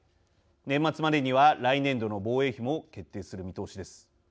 年末までには来年度の防衛費も決定する見通しです。